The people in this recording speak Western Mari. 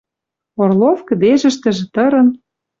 Орлов кӹдежӹштӹжӹ тырын